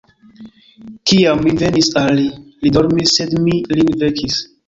Kiam mi venis al li, li dormis; sed mi lin vekis.